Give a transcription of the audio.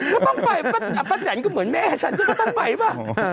ก็ต้องไปป้าแจ๋นก็เหมือนแม่ฉันก็ต้องไปป่ะ